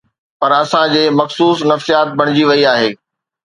پر اسان جي مخصوص نفسيات بڻجي وئي آهي.